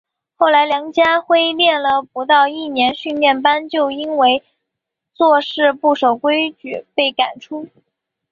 后来梁家辉念了不到一年训练班就因为做事不守规矩被赶出。